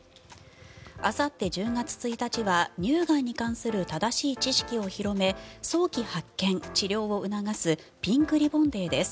あさって１０月１日は乳がんに関する正しい知識を広め早期発見・治療を促すピンクリボンデーです。